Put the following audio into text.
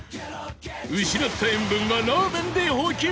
失った塩分はラーメンで補給！